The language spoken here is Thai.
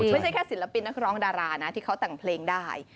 ไม่ใช่แค่ศิลปินนักร้องดารานะที่เขาแต่งเพลงได้